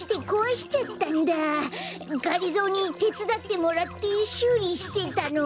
がりぞーにてつだってもらってしゅうりしてたの。